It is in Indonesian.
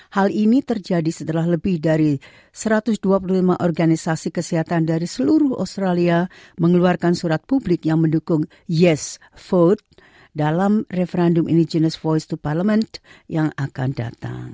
hal ini terjadi setelah lebih dari satu ratus dua puluh lima organisasi kesehatan dari seluruh australia mengeluarkan surat publik yang mendukung yes vote dalam referendum enginest voice to parliament yang akan datang